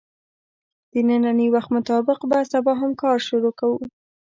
د نني وخت مطابق به سبا هم کار شروع کوو